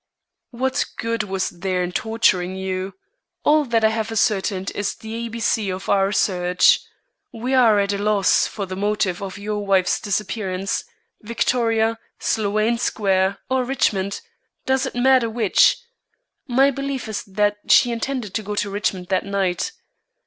"What good was there in torturing you? All that I have ascertained is the A B C of our search. We are at a loss for the motive of your wife's disappearance. Victoria, Sloane Square, or Richmond does it matter which? My belief is that she intended to go to Richmond that night.